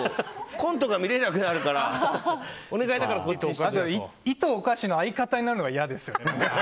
コントが見れなくなるからイトオカシの相方になるのは嫌ですよね。